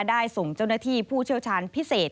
ได้ส่งเจ้าหน้าที่ผู้เชี่ยวชาญพิเศษ